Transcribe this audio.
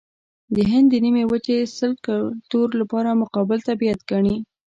د هند د نيمې وچې ستر کلتور خپل مقابل طبیعت ګڼي.